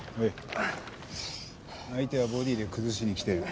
相手はボディーで崩しにきてる。